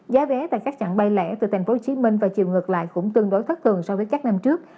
giá vé tại các chặng bay lẻ từ tp hcm và chiều ngược lại cũng tương đối thất thường so với các năm trước